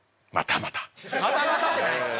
「またまた」って何や。